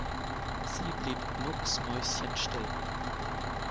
Sie blieb mucksmäuschenstill.